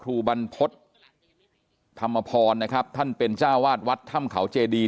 ก็ไม่ได้ให้แค่มักงายเนอะของมึงเนี่ย